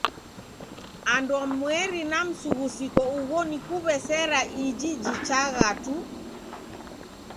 Anduamweri na msughusiko ugho ni kuw'eseriaiji jichagha tu.